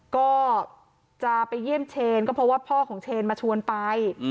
ก็จะไปเยี่ยมเชนก็เพราะว่าพ่อของเชนมาชวนไป